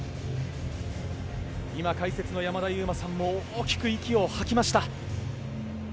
今、解説の山田勇磨さんも大きく息を吐きました。